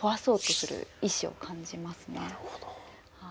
なるほど。